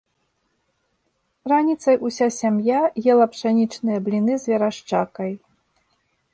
Раніцай уся сям'я ела пшанічныя бліны з верашчакай.